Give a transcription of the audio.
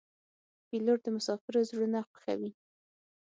پیلوټ د مسافرو زړونه خوښوي.